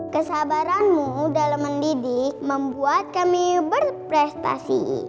kesabaranmu dalam mendidik membuat kami berprestasi